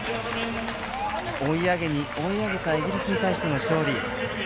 追い上げに追い上げたイギリスに対しての勝利。